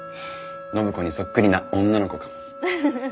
暢子にそっくりな女の子かも。